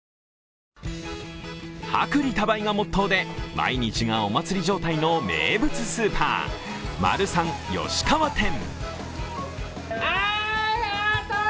薄利多売がモットーで毎日がお祭り状態の名物スーパー、マルサン吉川店。